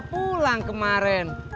kan udah pulang kemaren